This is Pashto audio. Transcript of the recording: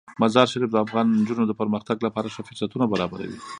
مزارشریف د افغان نجونو د پرمختګ لپاره ښه فرصتونه برابروي.